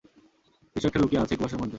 কিছু একটা লুকিয়ে আছে কুয়াশার মধ্যে!